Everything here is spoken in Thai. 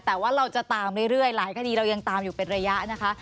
แต่ว่าเราจะตามเรื่อยหลายคดีเรายังตามอยู่เป็นระยะนะคะ